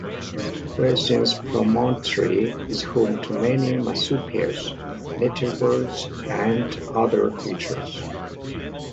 Wilsons Promontory is home to many marsupials, native birds and other creatures.